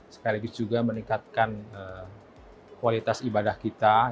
sekali lagi juga meningkatkan kualitas ibadah kita